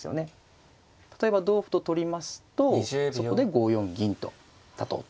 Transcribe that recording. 例えば同歩と取りますとそこで５四銀と立とうと。